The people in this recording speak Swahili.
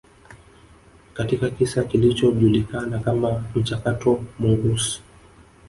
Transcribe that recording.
katika kisa kilichojulikana kama mchakato Mongoose